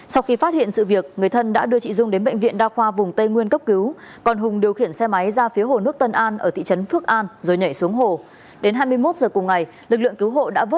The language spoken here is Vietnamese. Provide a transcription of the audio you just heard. sau khi phát hiện sự việc người thân đã đưa chị dung đến bệnh viện đa khoa vùng tây nguyên cấp cứu còn hùng điều khiển xe máy ra phía hồ nước tân an ở thị trấn phước an rồi nhảy xuống hồ